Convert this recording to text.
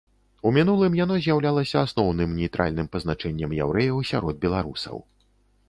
У мінулым, яно з'яўлялася асноўным нейтральным пазначэннем яўрэяў сярод беларусаў.